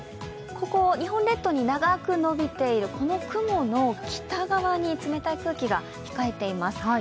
ここ、日本列島に長く延びている雲の北側に冷たい空気が控えています。